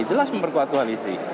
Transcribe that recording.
jelas memperkuat koalisi